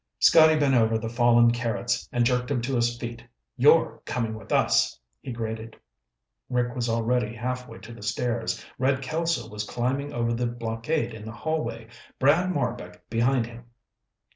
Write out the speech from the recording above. Scotty bent over the fallen Carrots and jerked him to his feet. "You're coming with us," he grated. Rick was already halfway to the stairs. Red Kelso was climbing over the blockade in the hallway, Brad Marbek behind him.